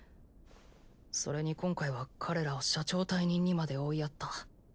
それに今回は彼らを社長退任にまで追いやった。